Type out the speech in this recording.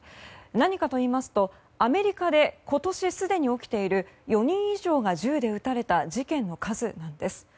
何かといいますとアメリカで今年すでに起きている４人以上が銃で撃たれた事件の数なんです。